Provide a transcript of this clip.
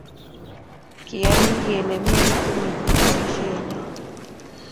Kiyoni kele myeitu missing' poisyennyo